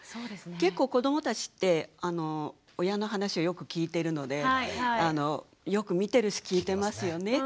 結構子どもたちって親の話をよく聞いてるのでよく見てるし聞いてますよね。